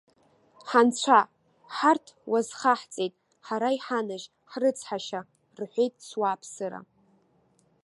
Ҳанцәа! Ҳарҭ уазхаҳҵеит, ҳара иҳанажь, ҳрыцҳашьа!- рҳәеит суааԥсыра.